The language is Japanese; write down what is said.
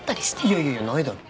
いやいやいやないだろ。